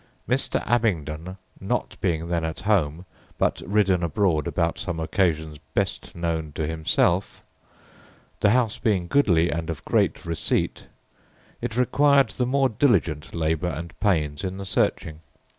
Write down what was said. Mr. Abbingdon, not being then at home, but ridden abroad about some occasions best known to himself; the house being goodlie, and of great receipt, it required the more diligent labour and pains in the searching.